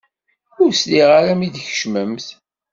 Ur sliɣ ara mi d-tkecmemt.